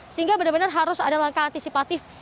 sehingga benar benar harus ada langkah antisipatif